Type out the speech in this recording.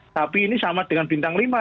tapi ini sama dengan bintang lima